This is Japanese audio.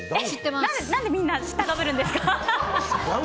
何で、みんな知ったかぶるんですか。